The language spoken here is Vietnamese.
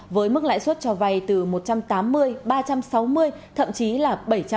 với mức lãi suất cho vay từ một trăm tám mươi ba trăm sáu mươi thậm chí là bảy trăm linh